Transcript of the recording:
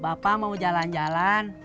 bapak mau jalan jalan